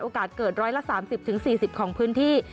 โอกาสเกิดร้อยละ๓๐๔๐ของพื้นที่